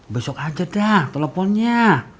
besok aja dah teleponnya